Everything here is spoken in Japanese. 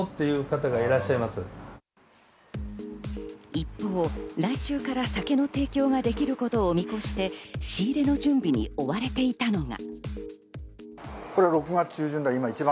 一方、来週から酒の提供ができる事を見越して、仕入れの準備に追われていたのが。